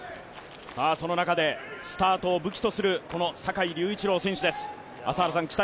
その中で、スタートを武器とする坂井隆一郎選手です。